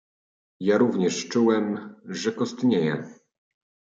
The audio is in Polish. "Ja również czułem, że kostnieję."